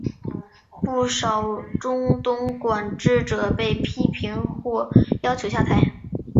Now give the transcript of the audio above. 不少中东管治者被批评或要求下台。